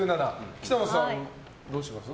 北乃さん、どうします？